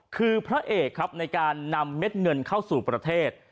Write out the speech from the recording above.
คือพระเอกครับในการนำเม็ดเงินเข้าสู่ประเทศ